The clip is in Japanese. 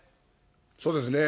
そうですね。